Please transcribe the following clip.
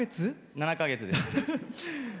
７か月です。